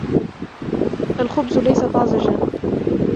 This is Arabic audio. الخبز ليس طازجاً.